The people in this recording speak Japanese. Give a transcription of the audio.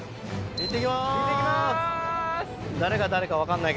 いってきます！